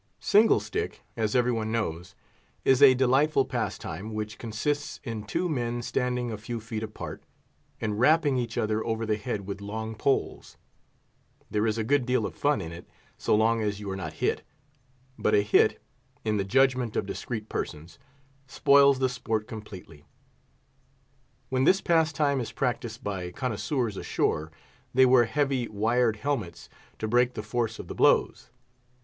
Single stick, as every one knows, is a delightful pastime, which consists in two men standing a few feet apart, and rapping each other over the head with long poles. There is a good deal of fun in it, so long as you are not hit; but a hit—in the judgment of discreet persons—spoils the sport completely. When this pastime is practiced by connoisseurs ashore, they wear heavy, wired helmets, to break the force of the blows.